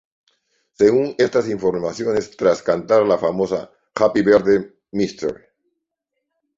Según estas informaciones, tras cantar la famosa "Happy Birthday, Mr.